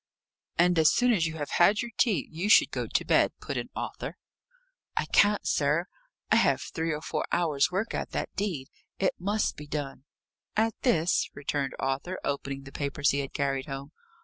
"And as soon as you have had your tea, you should go to bed," put in Arthur. "I can't, sir. I have three or four hours' work at that deed. It must be done." "At this?" returned Arthur, opening the papers he had carried home.